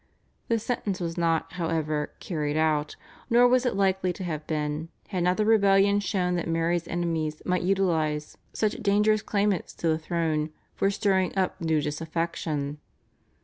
The sentence was not, however, carried out, nor was it likely to have been, had not the rebellion shown that Mary's enemies might utilise such dangerous claimants to the throne for stirring up new disaffection.